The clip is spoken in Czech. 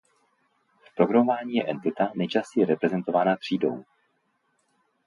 V programování je entita nejčastěji reprezentována třídou.